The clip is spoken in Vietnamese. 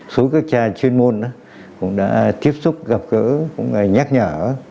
số các chuyên môn cũng đã tiếp xúc gặp gỡ cũng nhắc nhở